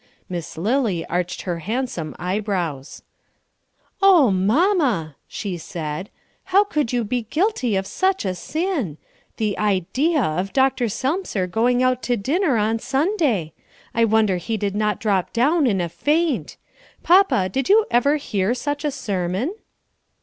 Miss Lily arched her handsome eyebrows. "Oh, mamma!" she said, "how could you be guilty of such a sin! The idea of Dr. Selmser going out to dinner on Sunday! I wonder he did not drop down in a faint! Papa, did you ever hear such a sermon?"